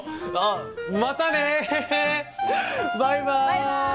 バイバイ！